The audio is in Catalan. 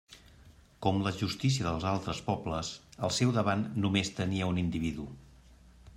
Com la justícia dels altres pobles, al seu davant només tenia un individu.